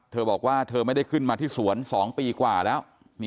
เธอบอกว่าเธอไม่ได้ขึ้นมาที่สวน๒ปีกว่าแล้ว